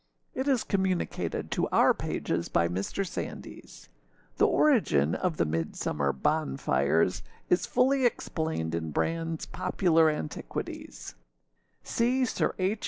It is communicated to our pages by Mr. Sandys. The origin of the Midsummer bonfires is fully explained in Brandâs Popular Antiquities. See Sir H.